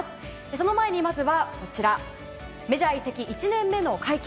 その前にまずはメジャー移籍１年目の快挙